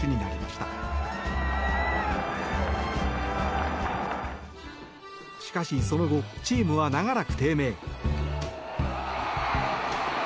しかし、その後チームは長らく低迷。